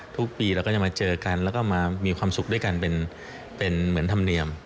ทุกปีเราก็จะมาเจอกันแล้วก็มามีความสุขด้วยกันเป็นเหมือนธรรมเนียม